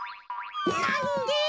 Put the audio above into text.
なんで。